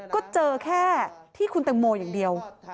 ก็เจอแค่ที่คุณตังโมอย่างเดียว